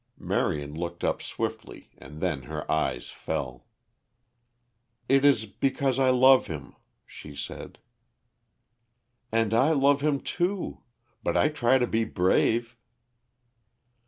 Marion looked up swiftly and then her eyes fell. "It is because I love him," she said. "And I love him, too. But I try to be brave."